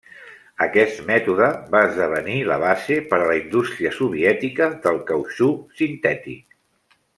Aquest mètode va esdevenir la base per a la indústria soviètica del cautxú sintètic.